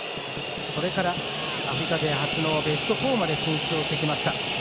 それからアフリカ勢初のベスト４まで進出をしてきました。